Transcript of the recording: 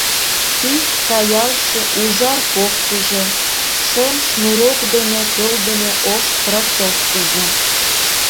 Тӱс каялше ужар кофтыжо, шем шнурок дене кылдыме ош кроссовкыжо?